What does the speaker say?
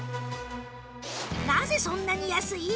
なぜそんなに安い？